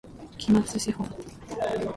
期末資本